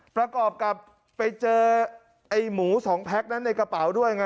ประกอบกับไปเจอไอ้หมูสองแพ็คนั้นในกระเป๋าด้วยไง